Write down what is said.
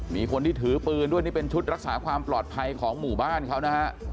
มีคนที่ถือปืนเป็นชุดรักษาความปลอดภัยของหมู่บ้าน